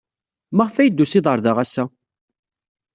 Maɣef ay d-tusid ɣer da ass-a?